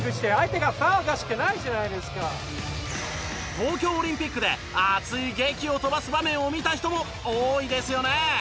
東京オリンピックで熱いゲキを飛ばす場面を見た人も多いですよね。